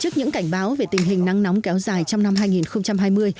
trước những cảnh báo về tình hình nắng nóng kéo dài trong năm hai nghìn hai mươi